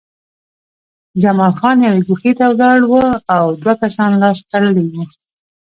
جمال خان یوې ګوښې ته ولاړ و او دوه کسان لاس تړلي وو